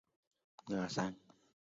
萨格奈是加拿大的一个城市。